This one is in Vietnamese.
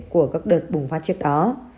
của các đợt bùng phát trước đó